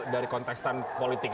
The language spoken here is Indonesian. dari kontekstan politik